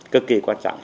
cực kỳ quan trọng